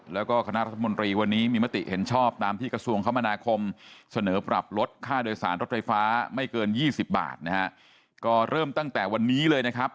แล้วก็คณะรัฐมนตรีวันนี้มีมติเห็นชอบตามที่กระทรวงคมนาคมเสนอปรับลดค่าโดยสารรถไฟฟ้าไม่เกินยี่สิบบาทนะฮะก็เริ่มตั้งแต่วันนี้เลยนะครับ